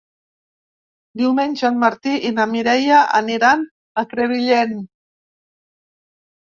Diumenge en Martí i na Mireia aniran a Crevillent.